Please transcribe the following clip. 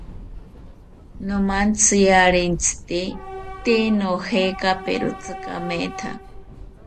Nomantziarentzite tee nojekaperotzi kametha